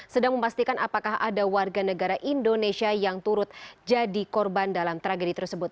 sedang memastikan apakah ada warga negara indonesia yang turut jadi korban dalam tragedi tersebut